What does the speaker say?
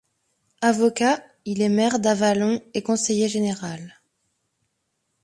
Avocat, il est maire d'Avallon et conseiller général.